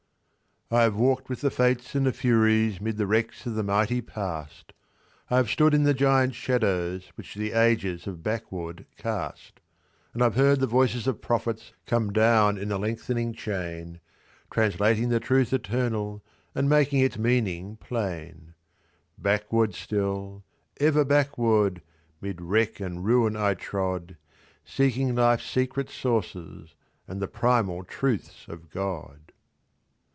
I HAVE walked with the Fates and the Furies mid the wrecks of the mighty Past, I have stood in the ^innt shadows which the ages have backward cast, 1 110 POEMS FROM THE INNER LIFE. And I ve heard the voices of prophets come down in a lengthening chain, Translating the Truth Eternal, and making its meaning plain ; Backward still, ever backward, mid wreck and ruin I trod, Seeking Life s secret sources, and the primal truths of God.